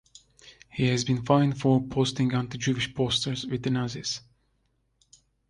He has been fined for posting anti-Jewish posters with the Nazis.